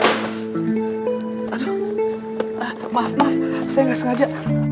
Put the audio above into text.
maaf maaf saya gak sengaja